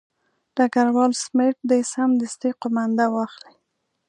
ډګروال سمیت دې سمدستي قومانده واخلي.